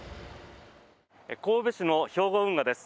神戸市の兵庫運河です。